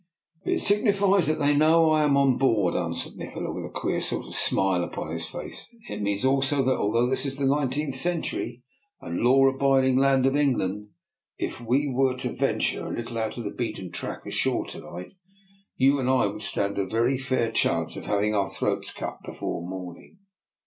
'* "It signifies that they know that I am on board," answered Nikola, with a queer sort of smile upon his face. " It means also that, although this is the nineteenth century and the law abiding land of England, if we were to venture a little out of the beaten track ashore to night, you and I would stand a very fair chance of having our throats cut before morn 132 DR. NIKOLA'S EXPERIMENT. ing.